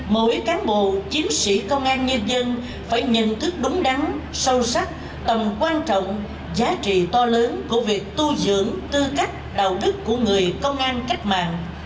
mỗi cán bộ chiến sĩ công an nhân dân phải nhận thức đúng đắn sâu sắc tầm quan trọng giá trị to lớn của việc tu dưỡng tư cách đạo đức của người công an cách mạng